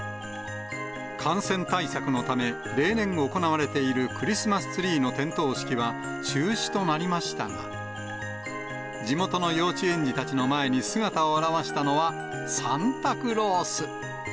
感染対策のため、例年行われているクリスマスツリーの点灯式は中止となりましたが、地元の幼稚園児たちの前に姿を現したのは、サンタクロース。